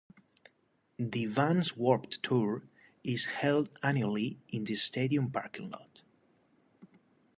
The Vans Warped Tour is held annually in the stadium parking lot.